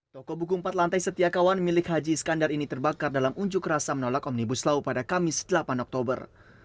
toko buku empat lantai setiakawan milik haji iskandar ini terbakar dalam unjuk rasa menolak omnibus law pada kamis delapan oktober